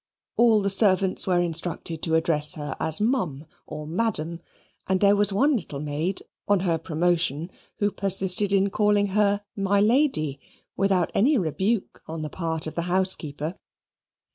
All the servants were instructed to address her as "Mum," or "Madam" and there was one little maid, on her promotion, who persisted in calling her "My Lady," without any rebuke on the part of the housekeeper.